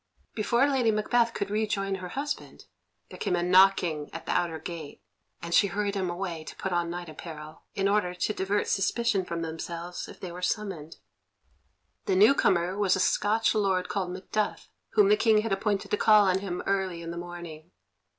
Before Lady Macbeth could rejoin her husband, there came a knocking at the outer gate, and she hurried him away to put on night apparel, in order to divert suspicion from themselves if they were summoned. The new comer was a Scotch lord called Macduff, whom the King had appointed to call on him early in the morning.